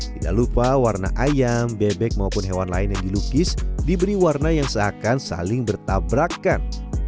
tidak lupa warna ayam bebek maupun hewan lain yang dilukis diberi warna yang seakan saling bertabrakan